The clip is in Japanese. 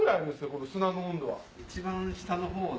この砂の温度は。